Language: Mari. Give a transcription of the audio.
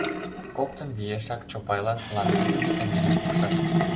Коктын виешак Чопайлан ландрин витаминым пукшат.